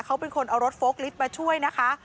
เขาเป็นคนเอารถโฟล์ลิฟต์มาช่วยนะคะ